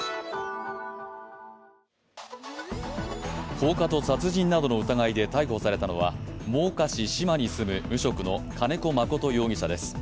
放火と殺人などの疑いで逮捕されたのは真岡市島に住む無職金子誠容疑者です。